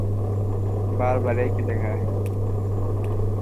অপ্রত্যাশিতভাবে বলকে লেগের দিক থেকে বাঁক করানোর অধিকারী ছিলেন।